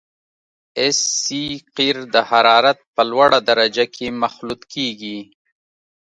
اس سي قیر د حرارت په لوړه درجه کې مخلوط کیږي